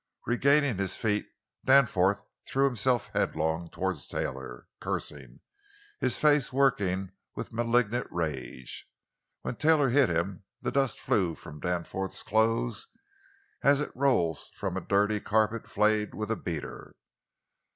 Regaining his feet, Danforth threw himself headlong toward Taylor, cursing, his face working with malignant rage. When Taylor hit him the dust flew from Danforth's clothes as it rolls from a dirty carpet flayed with a beater.